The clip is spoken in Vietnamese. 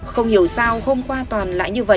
không hiểu sao hôm qua toàn